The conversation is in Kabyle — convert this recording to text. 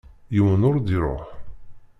Yiwen ur d-iṛuḥ.